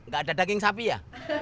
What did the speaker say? gak ada daging sapi ya